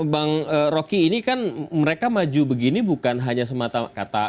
bang rocky ini kan mereka maju begini bukan hanya semata kata